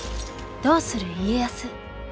「どうする家康」。